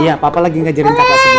iya papa lagi ngajarin kakak semua